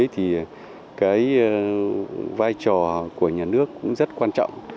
thì cái vai trò của nhà nước cũng rất quan trọng